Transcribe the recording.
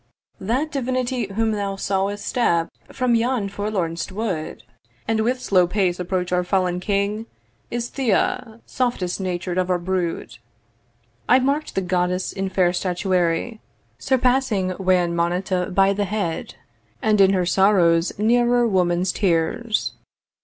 'That divinity 'Whom thou saw'st step from yon forlornest wood, 'And with slow pace approach our fallen King, 'Is Thea, softest natur'd of our brood.' I mark'd the Goddess in fair statuary Surpassing wan Moneta by the head, And in her sorrow nearer woman's tears.